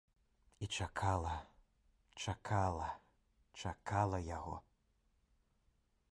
І чакала, чакала, чакала яго.